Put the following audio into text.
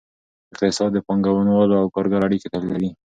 اقتصاد د پانګوالو او کارګرو اړیکې تحلیلوي.